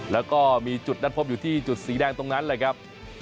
แล้วก็มีจุดนัดพบอยู่ที่จุดสีแดงตรงนั้นเลยครับ